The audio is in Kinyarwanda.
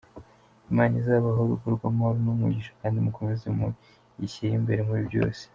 Imana izabahe urugo rw’amahoro n’umugisha kdi mukomeze muyishyire imbere muri byose.